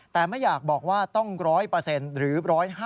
แต่ไม่อยากบอกว่าต้อง๑๐๐หรือ๑๕๐